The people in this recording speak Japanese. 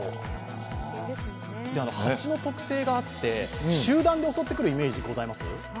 蜂の特製があって、集団で襲ってくるイメージございます？